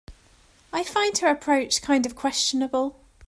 I find her approach kind of questionable.